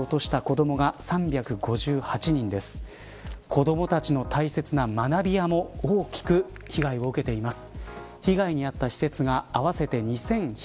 子どもたちの大切な学びやも大きく被害を受けています。